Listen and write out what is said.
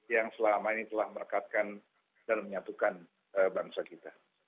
yang selama ini telah merekatkan dan menyatukan bangsa kita